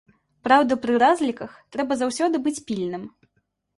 Праўда, пры разліках трэба заўсёды быць пільным.